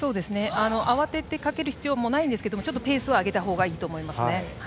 慌ててかける必要もないんですがペースを上げたほうがいいと思います。